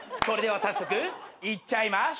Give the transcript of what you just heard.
それでは早速いっちゃいま。